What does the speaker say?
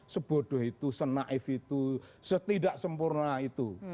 sebodoh itu senaif itu setidak sempurna itu